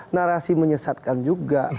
narasi menyesatkan juga